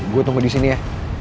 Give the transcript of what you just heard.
gue tunggu di sini ya